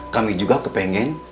kami juga kepengen